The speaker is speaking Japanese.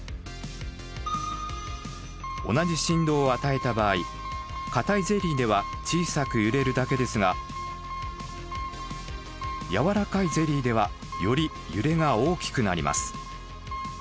同じ振動を与えた場合固いゼリーでは小さく揺れるだけですが軟らかいゼリーではより揺れが大きくなります。